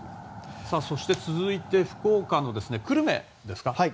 そして続いて福岡の久留米ですか。